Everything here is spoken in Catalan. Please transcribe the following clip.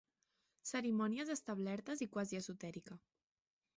Cerimònies establertes i quasi esotèrica.